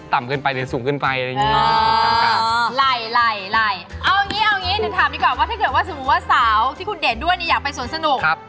แต่ผมชอบ